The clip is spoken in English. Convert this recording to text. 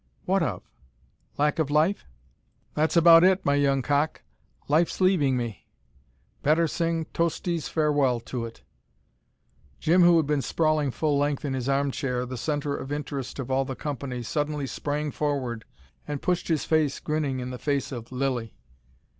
"What of? Lack of life?" "That's about it, my young cock. Life's leaving me." "Better sing Tosti's Farewell to it." Jim who had been sprawling full length in his arm chair, the centre of interest of all the company, suddenly sprang forward and pushed his face, grinning, in the face of Lilly.